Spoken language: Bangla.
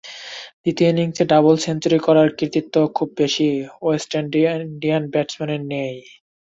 দ্বিতীয় ইনিংসে ডাবল সেঞ্চুরি করার কৃতিত্বও খুব বেশি ওয়েস্ট ইন্ডিয়ান ব্যাটসম্যানের নেই।